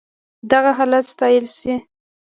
دغه حالت ستايل شي.